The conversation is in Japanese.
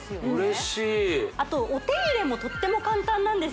嬉しいあとお手入れもとっても簡単なんです